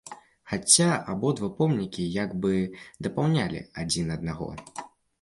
Хаця абодва помнікі, як бы дапаўнялі адзін аднаго.